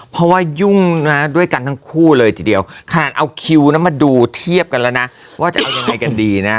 เพราะว่ายุ่งนะด้วยกันทั้งคู่เลยทีเดียวขนาดเอาคิวนะมาดูเทียบกันแล้วนะว่าจะเอายังไงกันดีนะ